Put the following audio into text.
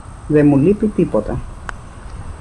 Δεν μου λείπει τίποτα.